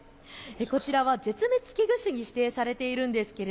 こちらは絶滅危惧種に指定されているんですが